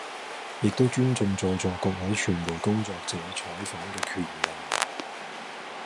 亦都尊重在座各位傳媒工作者採訪嘅權利